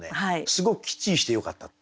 すごくきっちりしてよかった。